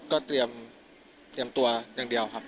ก็เตรียมตัวอย่างเดียวครับ